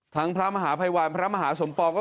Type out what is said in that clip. ทางพระมหาภัยวรรณเจ้าบุตรบิน